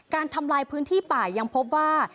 ทำลายพื้นที่ป่ายังพบว่า